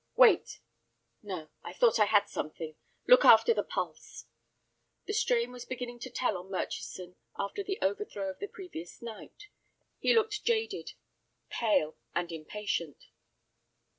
"Wait. No, I thought I had something. Look after the pulse." The strain was beginning to tell on Murchison after the overthrow of the previous night. He looked jaded, pale, and impatient.